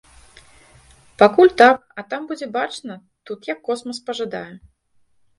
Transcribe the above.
Пакуль так, а там будзе бачна, тут як космас пажадае.